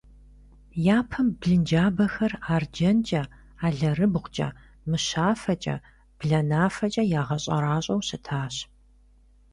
Япэм блынджабэхэр арджэнкӏэ, алэрыбгъукӏэ, мыщафэкӏэ, бланафэкӏэ ягъэщӏэращӏэу щытащ.